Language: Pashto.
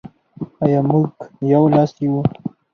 آیا موږ یو لاس یو؟